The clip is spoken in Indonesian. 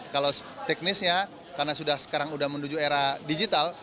kalau teknisnya karena sekarang sudah menuju era digital